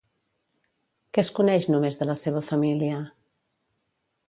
Què es coneix només de la seva família?